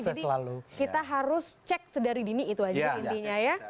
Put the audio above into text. jadi kita harus cek sedari dini itu aja intinya ya